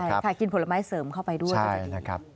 ใช่ค่ะกินผลไม้เสริมเข้าไปด้วยนะครับ